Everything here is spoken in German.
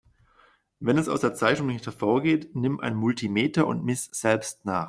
Wenn es aus der Zeichnung nicht hervorgeht, nimm ein Multimeter und miss selbst nach.